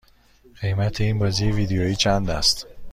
قیمت این بازی ویدیویی چند است؟